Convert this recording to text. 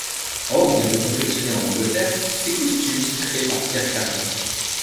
Or, bien que confectionnés en Angleterre, ses costumes sont créés par Pierre Cardin.